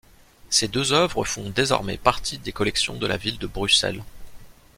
Ces deux œuvres font désormais partie des collections de la ville de Bruxelles.